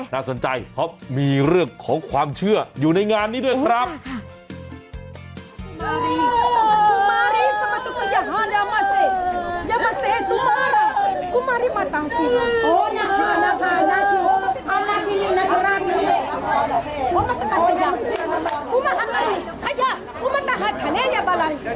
น่าสนใจเพราะมีเรื่องของความเชื่ออยู่ในงานนี้ด้วยครับ